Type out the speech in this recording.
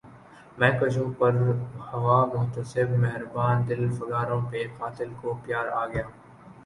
مے کشوں پر ہوا محتسب مہرباں دل فگاروں پہ قاتل کو پیار آ گیا